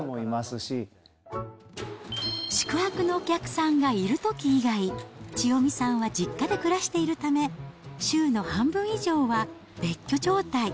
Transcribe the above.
宿泊のお客さんがいるとき以外、千代美さんは実家で暮らしているため、週の半分以上は別居状態。